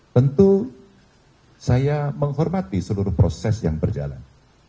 tentu saya menghormati seluruh proses yang berjalan